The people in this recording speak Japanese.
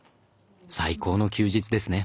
最高の休日ですね。